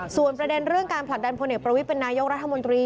ส่วนประเด็นเรื่องการผลักดันพลเอกประวิทย์เป็นนายกรัฐมนตรี